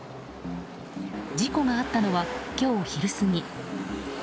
事故があったのは今日昼過ぎ。